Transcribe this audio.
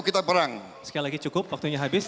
kita perang sekali lagi cukup waktunya habis